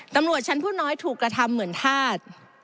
ตำรวจชั้นผู้น้อยถูกกระทำเหมือนธาตุ